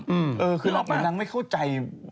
เหมือนนางไม่เข้าใจ